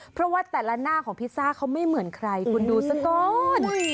เพราะว่าแต่ละหน้าของพิซซ่าเขาไม่เหมือนใครคุณดูซะก่อน